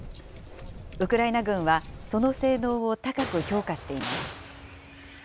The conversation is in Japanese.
ウクライナ軍は、その性能を高く評価しています。